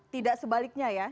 tidak sebaliknya ya